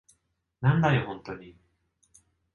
なんだよ、ホントに。